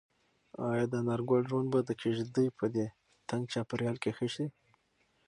ایا د انارګل ژوند به د کيږدۍ په دې تنګ چاپېریال کې ښه شي؟